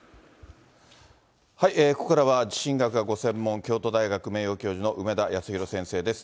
ここからは地震学がご専門、京都大学名誉教授の梅田康弘先生です。